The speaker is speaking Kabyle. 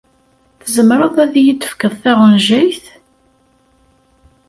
Tzemreḍ ad iyi-d-tefkeḍ taɣenjayt?